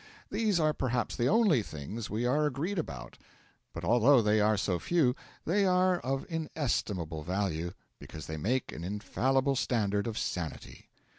These are perhaps the only things we are agreed about; but although they are so few, they are of inestimable value, because they make an infallible standard of sanity.